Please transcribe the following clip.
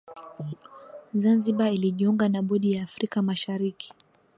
zanzibar ilijiunga na bodi ya afrika mashariki